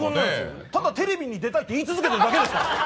ただ、テレビに出たいって言い続けてるだけですからね